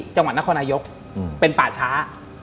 จังหวัดนครนายกเป็นป่าช้า